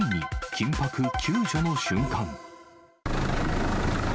緊迫、救助の瞬間。